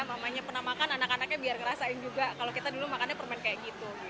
namanya pernah makan anak anaknya biar ngerasain juga kalau kita dulu makannya permen kayak gitu